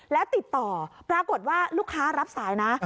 แล้วติดต่อปรากฏว่าลูกค้ารับสายนะ